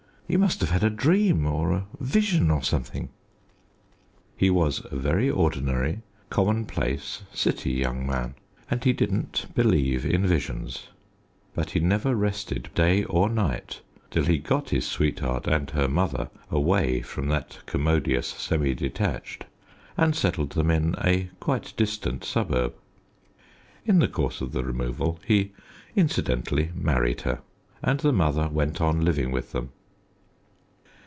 You must have had a dream, or a vision, or something." He was a very ordinary, commonplace, City young man, and he didn't believe in visions, but he never rested day or night till he got his sweetheart and her mother away from that commodious semi detached, and settled them in a quite distant suburb. In the course of the removal he incidentally married her, and the mother went on living with them.